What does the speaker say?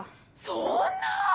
そんな！